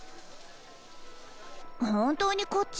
本当にこっち？